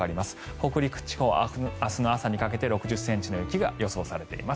北陸地方、明日の朝にかけて６０ｃｍの雪が予想されています。